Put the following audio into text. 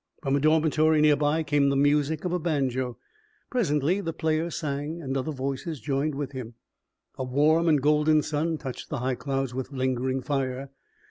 From a dormitory near by came the music of a banjo. Presently the player sang and other voices joined with him. A warm and golden sun touched the high clouds with lingering fire.